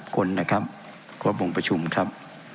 คนนะครับครบวงประชุมครับ